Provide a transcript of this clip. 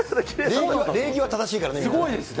礼儀は正しいからね、みんな